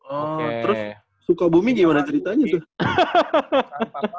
oh terus sukabumi gimana ceritanya tuh